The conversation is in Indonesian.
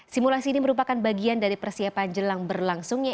simulasi ini merupakan bagian dari persiapan jelang berlangsungnya